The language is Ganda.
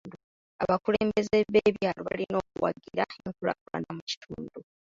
Abakulembeze b'ebyalo balina okuwagira enkulaakulana mu kitundu.